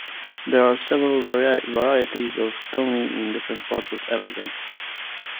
There are several varieties of Stoney in different parts of Africa.